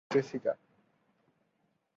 তার কন্যা জেসিকা।